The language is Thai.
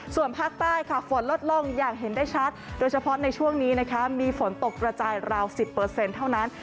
ส่วนภาคใต้ค่ะฝนลดลงอย่างเห็นได้ชัดโดยเฉพาะในช่วงนี้นะคะมีฝนตกกระจายราว๑๐เท่านั้น